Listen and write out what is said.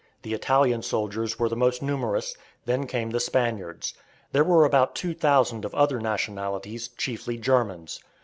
The Italian soldiers were the most numerous, then came the Spaniards. There were about 2000 of other nationalities, chiefly Germans.